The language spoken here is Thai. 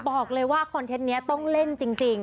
บอกเลยว่าคอนเทนต์นี้ต้องเล่นจริง